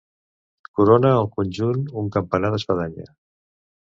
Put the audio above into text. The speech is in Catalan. Corona el conjunt un campanar d'espadanya.